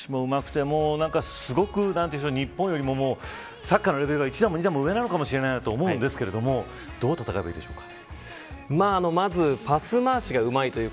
鈴木さん、スペインというチームは、パス回しもうまくて日本よりもサッカーのレベルが一段も二段も上なのかもしれないと思うんですけどどう戦えばいいでしょうか。